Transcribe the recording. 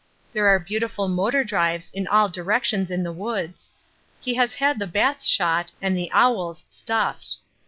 There are beautiful motor drives in all directions in the woods. He has had the bats shot and the owls stuffed.